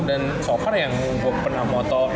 dan so far yang gue pernah foto enak ya cuma di mahaka